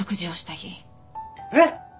えっ！？